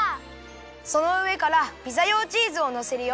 そのうえからピザ用チーズをのせるよ。